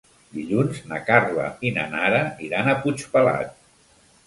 Dilluns na Carla i na Nara iran a Puigpelat.